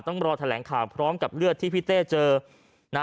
ต้องรอแถลงข่าวพร้อมกับเลือดที่พี่เต้เจอนะ